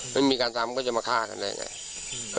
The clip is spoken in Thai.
ไม่มีการทำก็จะมาฆ่ากันได้ไง